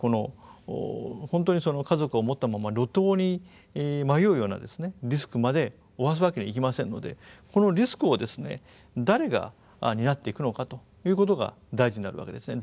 本当に家族を持ったまま路頭に迷うようなリスクまで負わすわけにいきませんのでこのリスクを誰が担っていくのかということが大事になるわけですね。